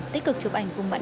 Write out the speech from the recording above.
thôi bạn cứ cho đi